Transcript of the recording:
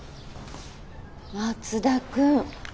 松田君。